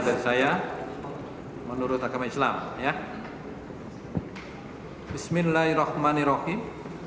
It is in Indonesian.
dan saya menurut agama islam ya bismillahirrahmanirrahim